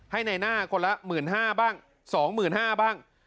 ให้ในหน้าคนละ๑๕๐๐บ้าง๒๕๐๐บ้าง